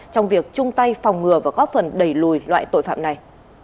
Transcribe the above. trong việc chung tay phòng ngừa và góp phần đẩy lùi loại tội phạm này